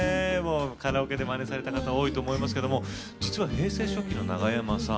カラオケでマネされた方多いと思いますけど実は、平成初期の長山さん。